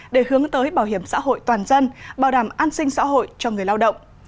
để hướng tới bảo hiểm xã hội toàn dân bảo đảm an sinh xã hội cho người lao động